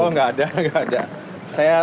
oh nggak ada nggak ada saya